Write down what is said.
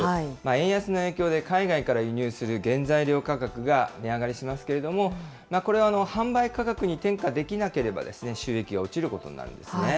円安の影響で海外から輸入する原材料価格が値上がりしますけれども、これは販売価格に転嫁できなければ、収益が落ちることになるんですね。